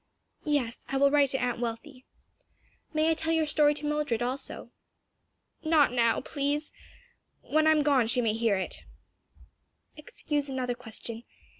Yes, I will write to Aunt Wealthy. May I tell your story to Mildred also?" "Not now, please. When I am gone she may hear it." "Excuse another question.